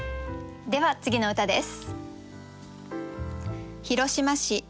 では次の歌です。